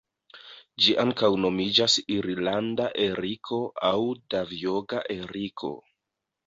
Ĝi ankaŭ nomiĝas irlanda eriko aŭ Davjoga eriko.